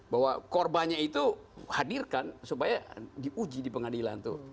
bahwa korbannya itu hadirkan supaya diuji di pengadilan tuh